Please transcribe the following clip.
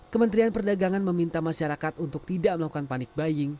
kementerian perdagangan meminta masyarakat untuk tidak melakukan panic buying